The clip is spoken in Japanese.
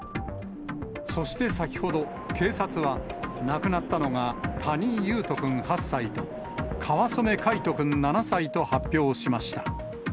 そして先ほど、警察は、亡くなったのが谷井勇斗君８歳と、川染凱仁君７歳と発表しました。